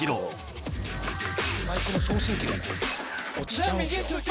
マイクの送信機が落ちちゃうんですよ。